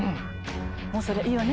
もうそれでいいわね？